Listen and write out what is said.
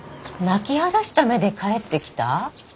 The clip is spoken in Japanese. ・泣き腫らした目で帰ってきた？